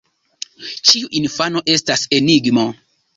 Ĉiu infano estas enigmo.